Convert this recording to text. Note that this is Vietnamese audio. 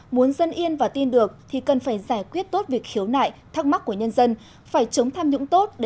muốn dân yên và tin được thì cần phải giải quyết tốt việc khiếu nại thắc mắc của nhân dân phải chống tham nhũng tốt